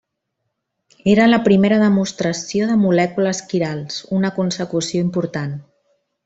Era la primera demostració de molècules quirals, una consecució important.